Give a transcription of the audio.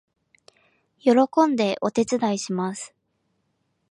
喜んでお手伝いします